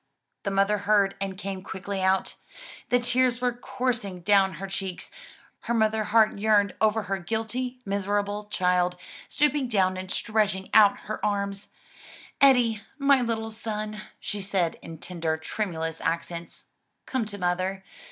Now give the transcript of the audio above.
The mother heard and came quickly out. The tears were coursing down her cheeks, her mother heart yearned over her guilty, miserable child: stooping down and stretching out her arms, "Eddie, my little son," she said in tender tremulous accents, "come to mother.